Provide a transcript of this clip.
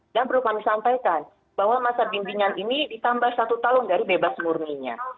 dan perlu kami sampaikan bahwa masa bimbingan ini ditambah satu tahun dari bebas murninya